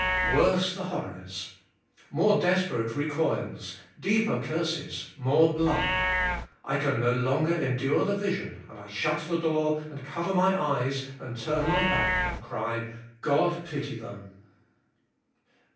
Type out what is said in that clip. Worse the horrors. More desperate recoils. Deeper curses. More blood. I can no longer endure the vision, and I shut the door, and cover my eyes, and turn my back, and cry, "God pity them!"